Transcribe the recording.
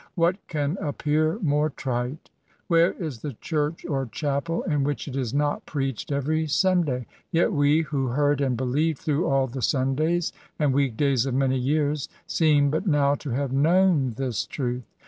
What can appear more trite? Where is the church or chapel in which it is not preached every Sunday? Yet we, who heard and believed through all the Sundays and week days of many years, seem but now to have known this truth.